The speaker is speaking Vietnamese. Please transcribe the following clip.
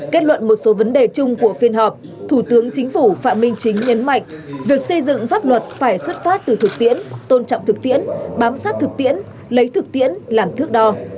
kết luận một số vấn đề chung của phiên họp thủ tướng chính phủ phạm minh chính nhấn mạnh việc xây dựng pháp luật phải xuất phát từ thực tiễn tôn trọng thực tiễn bám sát thực tiễn lấy thực tiễn làm thước đo